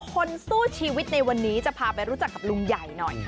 คนสู้ชีวิตในวันนี้จะพาไปรู้จักกับลุงใหญ่หน่อย